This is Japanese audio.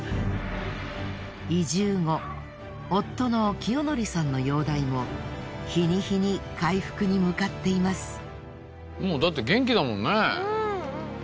移住後夫の清智さんの容体も日に日に回復に向かっています。